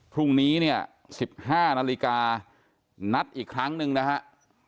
พรุ่งนี้๑๕นาฬิกานัดอีกครั้งหนึ่งนะครับ